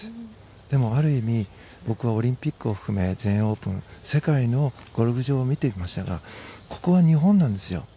でも、ある意味僕はオリンピックを含め全英オープン世界のゴルフ場を見てきましたがここは日本なんですよ。